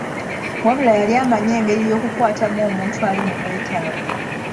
Wabula yali amanyi engeri y'okukwatamu omuntu ali mu bwetaavu.